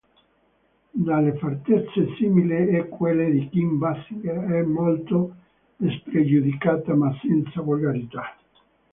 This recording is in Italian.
Dalle fattezze simili a quelle di Kim Basinger, è molto spregiudicata, ma senza volgarità.